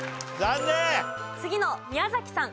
次の宮崎さん